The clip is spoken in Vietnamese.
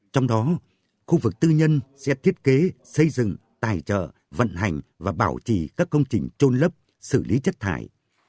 trong đó khu vực tư nhân sẽ thiết kế xây dựng tài trợ vận hành và bảo trì các công trình trôn lấp xử lý chất thải